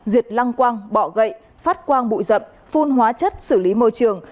diệt lăng quang bỏ gậy phát quang bụi rậm phun hóa chất xử lý môi trường